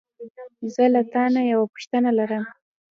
زه له تا نه یوه پوښتنه لرم.